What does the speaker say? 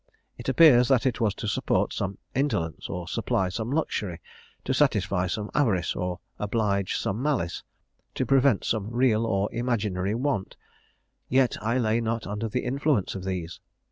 It appears that it was to support some indolence, or supply some luxury; to satisfy some avarice, or oblige some malice; to prevent some real or some imaginary want: yet I lay not under the influence of these.